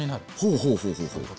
ほうほうほうほう。